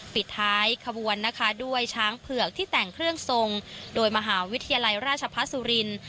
ปิดท้ายขบวนนะคะด้วยช้างเผือกที่แต่งเครื่องทรงโดยมหาวิทยาลัยราชพัฒนสุรินทร์